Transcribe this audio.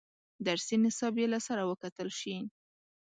درسي نصاب یې له سره وکتل شي.